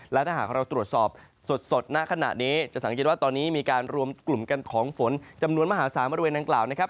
และถ้าหากเราตรวจสอบสดณขณะนี้จะสังเกตว่าตอนนี้มีการรวมกลุ่มกันของฝนจำนวนมหาศาลบริเวณดังกล่าวนะครับ